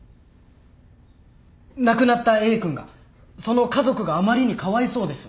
亡くなったＡ君がその家族があまりにかわいそうです。